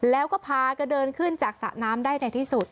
แล้วก็พากระเดินขึ้นจากสระน้ำได้ในที่สุด